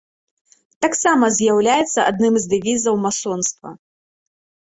Таксама з'яўляецца адным з дэвізаў масонства.